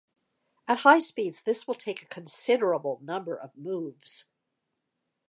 At high speeds, this will take a considerable number of moves.